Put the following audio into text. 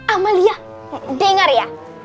amalia denger ya